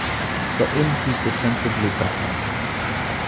The innkeeper sensibly brightened.